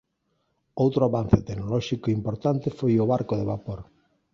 Outro avance tecnolóxico importante foi o barco de vapor.